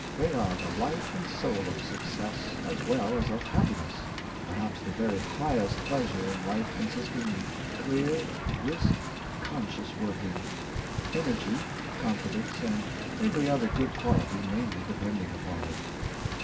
They are the life and soul of success, as well as of happiness; perhaps the very highest pleasure in life consisting in clear, brisk, conscious working; ener gy, confidence, aud every other good quality mainly depending upon it.